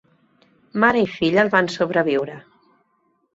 Mare i filla el van sobreviure.